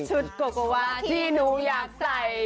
โกโกวาที่หนูอยากใส่